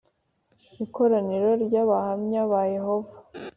ikoraniro ry Abahamya ba Yehova